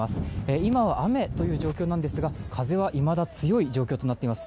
今は雨という状況なんですが風はいまだ強い状況です。